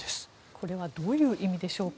これはどういう意味でしょうか。